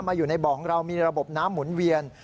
อยู่ในบ่อของเรามีระบบน้ำหมุนเวียน